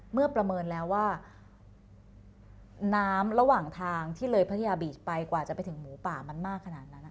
ประเมินแล้วว่าน้ำระหว่างทางที่เลยพัทยาบีชไปกว่าจะไปถึงหมูป่ามันมากขนาดนั้น